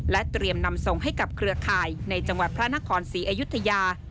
เตรียมนำส่งให้กับเครือข่ายในจังหวัดพระนครศรีอยุธยา